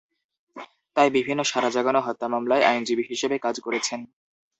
তিনি বিভিন্ন সাড়া জাগানো হত্যা মামলায় আইনজীবী হিসেবে কাজ করেছেন।